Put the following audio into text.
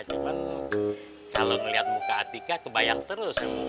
cuman kalo ngeliat muka atika kebayang terus ya mukanya sobari